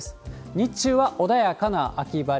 日中は穏やかな秋晴れ。